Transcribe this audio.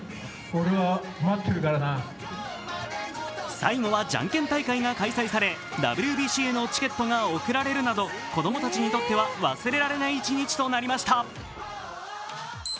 最後はじゃんけん大会が開催されＷＢＣへのチケットが贈られるなど子供たちにとっては忘れられない一日となりました。